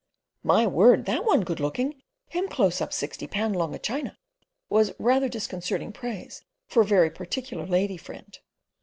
"My word! That one good looking. Him close up sixty pound longa China," was rather disconcerting praise of a very particular lady friend.